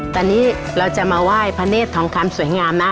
ตอนนี้เราจะมาไหว้พระเนธทองคำสวยงามนะ